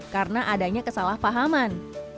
karena adanya kesalahpahaman